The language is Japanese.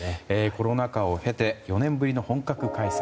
コロナ禍を経て４年ぶりの本格開催。